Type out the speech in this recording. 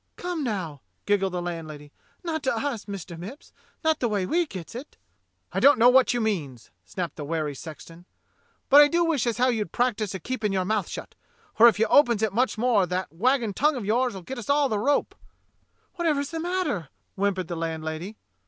"Come, now," giggled the landlady, "not to us. Mister Mipps. Not the way we gets it." "I don't know what you means," snapped the wary sexton. "But I do wish as how you'd practise a keep in' your mouth shut, for if you opens it much more that waggin' tongue of yours'll get us all the rope." 16 DOCTOR SYN "Whatever is the matter?" whimpered the land lady.